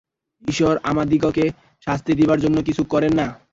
ঈশ্বর আমাদিগকে শাস্তি দিবার জন্য কিছু করেন না।